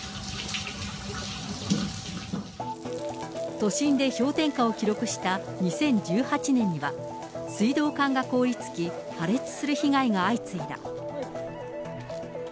都心で氷点下を記録した２０１８年には、水道管が凍りつき、破裂する被害が相次いだ。